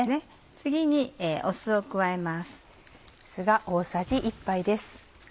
次に酢を加えます。